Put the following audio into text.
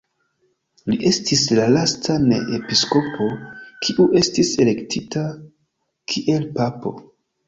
Li estis la lasta ne-episkopo, kiu estis elektita kiel papo.